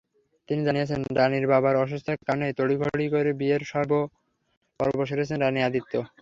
তিনি জানিয়েছেন, রানীর বাবার অসুস্থতার কারণেই তড়িঘড়ি করে বিয়ের পর্ব সেরেছেন রানী-আদিত্য।